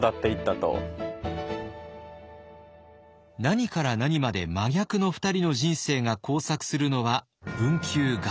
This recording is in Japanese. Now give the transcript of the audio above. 何から何まで真逆の２人の人生が交錯するのは文久元年。